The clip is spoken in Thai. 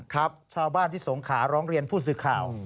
ครับชาวบ้านที่สงขาร้องเรียนผู้สื่อข่าว